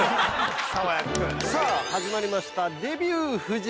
◆さあ、始まりました「デビュー夫人」。